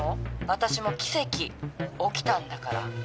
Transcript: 私も奇跡起きたんだから。